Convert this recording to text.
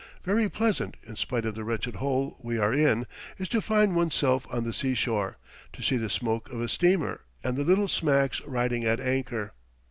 Very pleasant, in spite of the wretched hole we are in, is it to find one's self on the seashore to see the smoke of a steamer, and the little smacks riding at anchor.